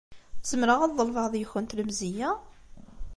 Zemreɣ ad ḍelbeɣ deg-kunt lemzeyya?